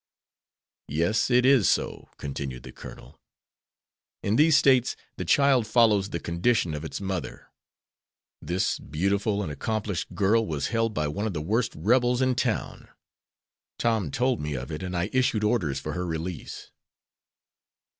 "Yes, it is so," continued the Colonel. "In these States the child follows the condition of its mother. This beautiful and accomplished girl was held by one of the worst Rebels in town. Tom told me of it and I issued orders for her release."